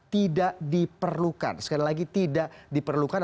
tidak diperlukan sekali lagi tidak diperlukan